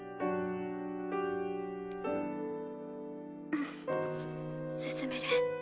うん進める。